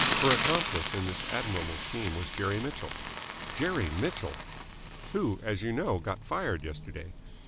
Her accomplice in this admirable scheme was Jerry Mitchell." "Jerry Mitchell!" "Who, as you know, got fired yesterday.